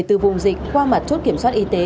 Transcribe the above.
từ vùng dịch qua mặt chốt kiểm soát y tế